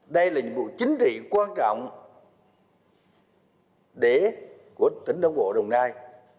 đây là nhiệm vụ chính trị quan trọng của tỉnh đồng bộ đồng nai